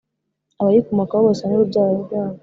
abayikomokaho bose n’urubyaro rwabo.